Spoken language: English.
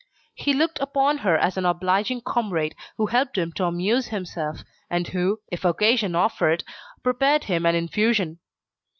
He looked upon her as an obliging comrade who helped him to amuse himself, and who, if occasion offered, prepared him an infusion.